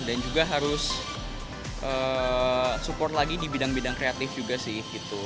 dan juga harus support lagi di bidang bidang kreatif juga sih gitu